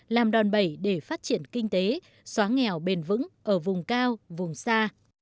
làm đòn bẩy để phát triển kinh tế xóa nghèo bền vững ở vùng cao vùng xa